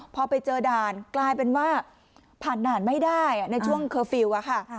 พอไปเจอด่านกลายเป็นว่าผ่านด่านไม่ได้ในช่วงเคอร์ฟิลล์ค่ะ